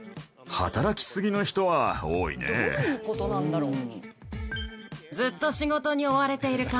どういう事なんだろう？